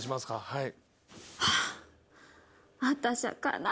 はい。